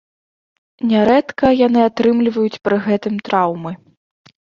Нярэдка яны атрымліваюць пры гэтым траўмы.